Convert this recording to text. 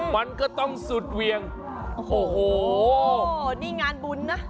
มันก็ต้องสุดเวียงโอ้โหนี่งานบุญนะ